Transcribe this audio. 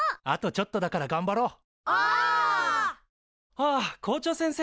あっ校長先生！